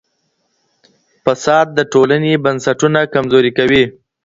فساد د ټولنې بنسټونه کمزوري کوي.